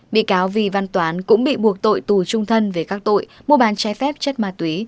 bị cáo vì văn toán cũng bị buộc tội tù trung thân về các tội mua bán trái phép chất ma túy